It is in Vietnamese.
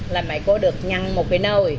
là mẹ cô được nhăn một cái nâu